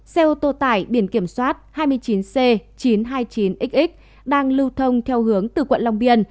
xe ô tô tải biển kiểm soát hai mươi chín c chín trăm hai mươi chín xx đang lưu thông theo hướng từ quận long biên